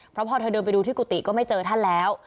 เพราะพอเธอเดินไปดูที่กุฏิก็ไม่เจอท่านแล้ว